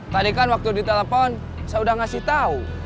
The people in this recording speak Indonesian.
tadi kan waktu ditelepon saya sudah memberitahu